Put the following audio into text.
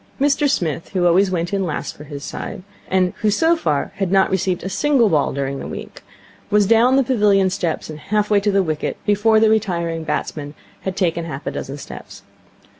Mr Smith, who always went in last for his side, and who so far had not received a single ball during the week, was down the pavilion steps and half way to the wicket before the retiring batsman had taken half a dozen steps.